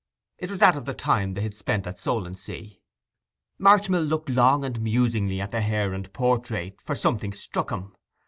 It was that of the time they spent at Solentsea. Marchmill looked long and musingly at the hair and portrait, for something struck him.